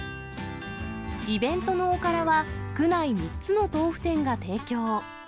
イベントのおからは、区内３つの豆腐店が提供。